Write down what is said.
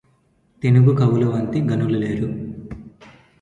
తెనుగు కవులవంటి ఘనులు లేరు